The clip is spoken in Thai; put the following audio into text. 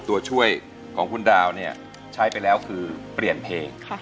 ตัวช่วยของคุณดาวเนี่ยใช้ไปแล้วคือเปลี่ยนเพลง